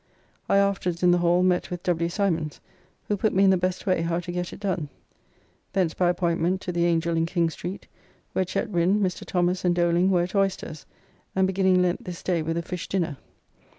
I afterwards in the Hall met with W. Simons, who put me in the best way how to get it done. Thence by appointment to the Angel in King Street, where Chetwind, Mr. Thomas and Doling were at oysters, and beginning Lent this day with a fish dinner.